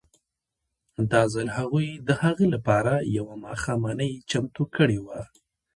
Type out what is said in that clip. دا ځل هغوی د هغه لپاره یوه ماښامنۍ چمتو کړې وه